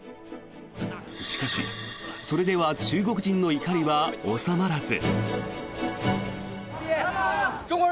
しかし、それでは中国人の怒りは収まらず。